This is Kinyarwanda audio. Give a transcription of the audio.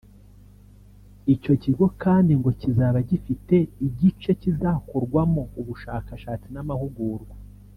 Icyo kigo kandi ngo kizaba gifite igice kizakorwarwamo ubushakashatsi n’amahugurwa